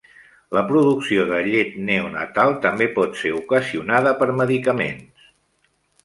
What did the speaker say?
La producció de llet neonatal també pot ser ocasionada per medicaments.